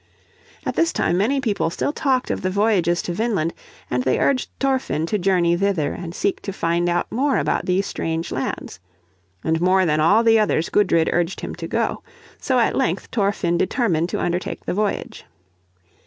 At this time many people still talked of the voyages to Vineland, and they urged Thorfinn to journey thither and seek to find out more about these strange lands. And more than all the others Gudrid urged him to go. So at length Thorfinn determined to undertake the voyage.